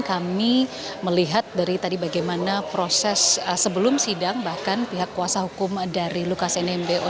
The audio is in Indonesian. kami melihat dari tadi bagaimana proses sebelum sidang bahkan pihak kuasa hukum dari lukas nmb